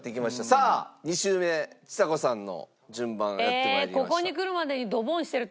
さあ２周目ちさ子さんの順番がやって参りました。